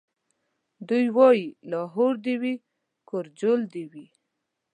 دی وايي لاهور دي وي کورجل دي وي